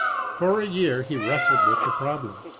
For a year he wrestled with the problem.